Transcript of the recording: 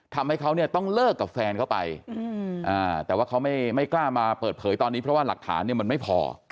ทำให้เขาเนี่ยต้องเลิกกับแฟนเขาไปแต่ว่าเขาไม่กล้ามาเปิดเผยตอนนี้เพราะว่าหลักฐานเนี่ยมันไม่พอ